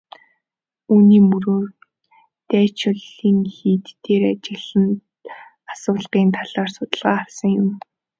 Үүний мөрөөр Дашчойлин хийд дээр ажиглалт асуулгын аргаар судалгаа авсан юм.